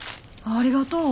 ありがとう。